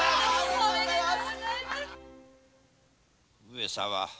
上様